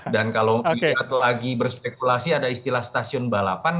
dan kalau dilihat lagi berspekulasi ada istilah stasiun balapan